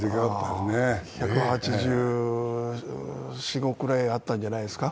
１８４１８５ぐらいあったんじゃないですか。